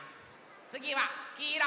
つぎはきいろ。